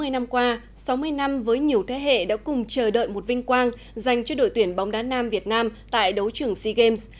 sáu mươi năm qua sáu mươi năm với nhiều thế hệ đã cùng chờ đợi một vinh quang dành cho đội tuyển bóng đá nam việt nam tại đấu trưởng sea games